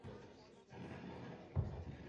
本剧获得过多个电视奖项的肯定。